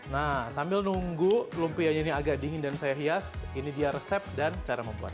nah sambil nunggu lumpianya ini agak dingin dan saya hias ini dia resep dan cara membuatnya